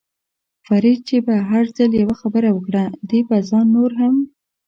فرید چې به هر ځل یوه خبره وکړه، دې به ځان نور هم.